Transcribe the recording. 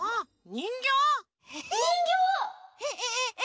にんぎょう！え？え？